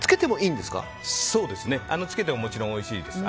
つけてももちろんおいしいです。